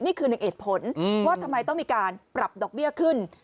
นี่คือหนึ่งเหตุผลว่าทำไมต้องมีการปรับดอกเบี้ยขึ้น